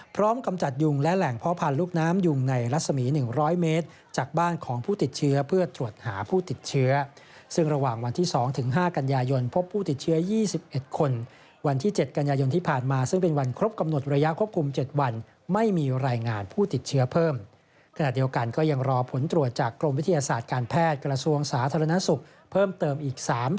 พร้อมกำจัดยุงและแหล่งพ่อพันธุ์ลูกน้ำยุงในลักษมี